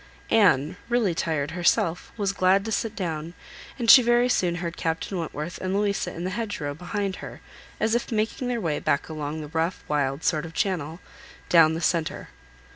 Anne, really tired herself, was glad to sit down; and she very soon heard Captain Wentworth and Louisa in the hedge row, behind her, as if making their way back along the rough, wild sort of channel, down the centre.